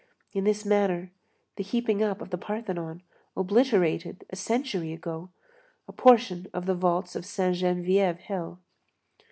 In this manner, the heaping up of the Parthénon, obliterated, a century ago, a portion of the vaults of Saint Geneviève hill.